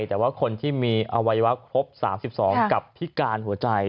แต่ว่าคนที่มีอวัยวะครบ๓๒กับพิการหัวใจ